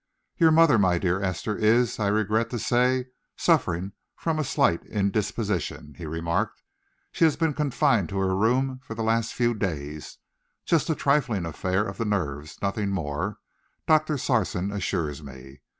"Your mother, my dear Esther, is, I regret to say, suffering from a slight indisposition," he remarked. "She has been confined to her room for the last few days. Just a trifling affair of the nerves; nothing more, Doctor Sarson assures me.